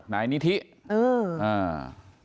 นายนิธิเออ